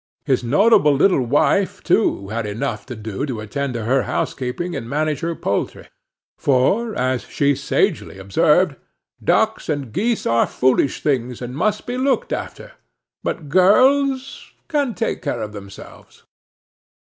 His notable little wife, too, had enough to do to attend to her housekeeping and manage her poultry; for, as she sagely observed, ducks and geese are foolish things, and must be looked after, but girls can take care of themselves.